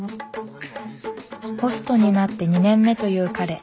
ホストになって２年目という彼。